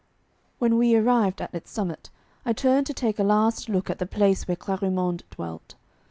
When we arrived at its summit I turned to take a last look at the place where Clarimonde dwelt.